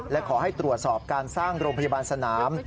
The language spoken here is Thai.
และขอให้ตรวจสอบการสร้างโรงพยาบาลสนาม